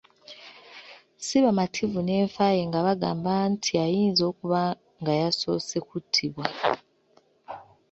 Ssi bamativu n’enfa ye nga bagamba nti ayinza okuba nga yasoose kuttibwa.